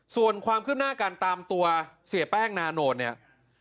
ส่วนความคืบหน้าการตามตัวเสียแป้งนาโนตเนี่ย